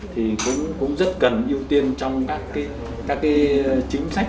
thì cũng rất cần ưu tiên trong các cái chính sách